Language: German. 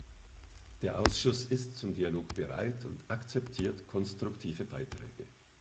Der Ausschuss ist zum Dialog bereit und akzeptiert konstruktive Beiträge.